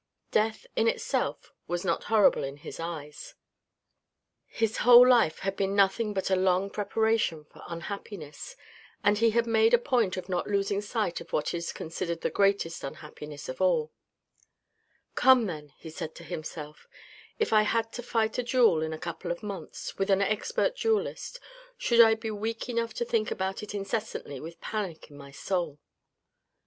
Death, in itself, was not horrible in his eyes. His whole life had been nothing but a long prepara * Stendhal's bad spelling is here reproduced. 468 THE RED AND THE BLACK tion for unhappiness, and he had made a point of not losing sight of what is considered the greatest unhappiness of all. "Come then," he said to himself; " if I had to fight a duel in a couple of months, with an expert duellist, should I be weak enough to think about it incessantly with panic in my soul